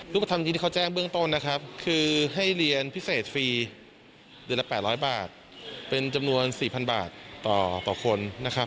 รูปธรรมดีที่เขาแจ้งเบื้องต้นนะครับคือให้เรียนพิเศษฟรีเดือนละ๘๐๐บาทเป็นจำนวน๔๐๐บาทต่อคนนะครับ